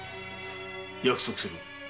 約束する。